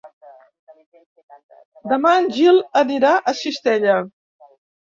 Demà en Gil anirà a Cistella.